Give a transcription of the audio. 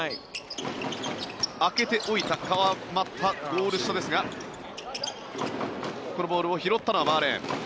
空けておいた川真田ゴール下ですがこのボールを拾ったのはバーレーン。